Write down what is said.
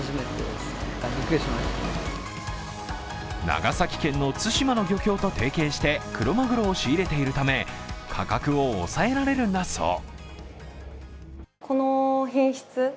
長崎県の対馬の漁協と提携してクロマグロを仕入れているため価格を抑えられるんだそう。